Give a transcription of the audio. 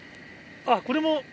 あっこれも。